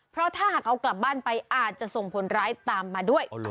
เพราะถ้าหากเอากลับบ้านไปอาจจะส่งผลร้ายตามมาด้วย